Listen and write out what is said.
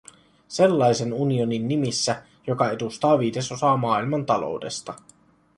Sellaisen unionin nimissä, joka edustaa viidesosaa maailman taloudesta.